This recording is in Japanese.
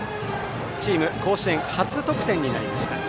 チーム甲子園初得点になりました。